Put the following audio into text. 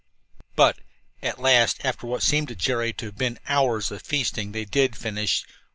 But at last, after what seemed to Jerry to have been hours of feasting, they did finish.